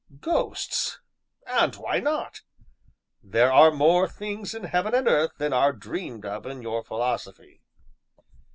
Ghosts! And why not? "There are more things in heaven and earth than are dreamed of in your philosophy."